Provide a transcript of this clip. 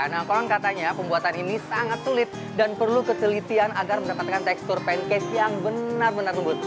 nah konon katanya pembuatan ini sangat sulit dan perlu ketelitian agar mendapatkan tekstur pancake yang benar benar lembut